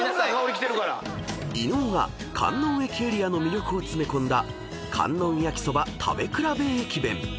［伊野尾が観音駅エリアの魅力を詰め込んだ観音焼きそば食べ比べ駅弁］